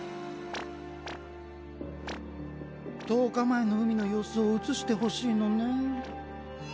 １０日前の海の様子を映してほしいのねん。